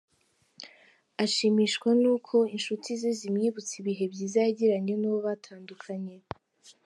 Ashimishwa n’uko inshuti ze zimwibutsa ibihe byiza yagiranye n'uwo batandukanye.